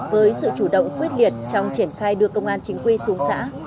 với sự chủ động quyết liệt trong triển khai đưa công an chính quy xuống xã